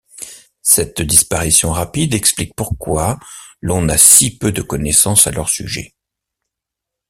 Cette disparition rapide explique pourquoi l'on a si peu de connaissances à leur sujet.